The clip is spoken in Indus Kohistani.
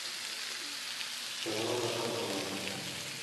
آں شلؤں لا خلکہ مراں تھہ۔